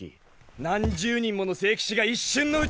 何十人もの聖騎士が一瞬のうちに。